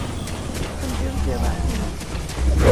Andrews lleva su nombre.